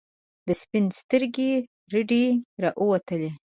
د سپین سترګي رډي راووتلې.